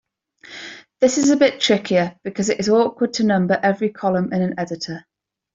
This is a bit trickier because it is awkward to number every column in an editor.